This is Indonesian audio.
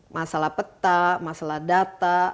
masalah peta masalah data